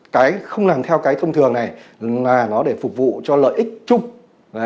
cái không làm theo cái thông thường này là nó để phục vụ cho lợi ích chung